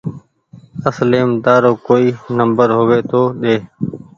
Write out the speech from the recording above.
اصليم تآرو ڪوئي نمبر هووي تو ۮي